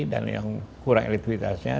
dan yang kurang elektriktibilitasnya